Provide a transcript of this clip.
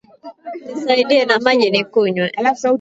Nisaidie na maji nikunywe